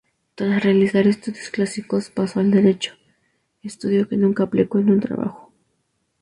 Tras realizar estudios clásicos, pasó al Derecho, estudios que nunca aplicó en un trabajo.